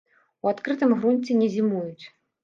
У адкрытым грунце не зімуюць.